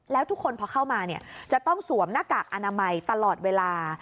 แล้วทุกคนพอเข้ามาจะต้องสวมหน้ากากอนามัยตลอดเวลา